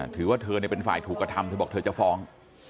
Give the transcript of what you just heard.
ถือว่าเธอเป็นฝ่ายถูกกระทำเธอบอกเธอจะฟ้อง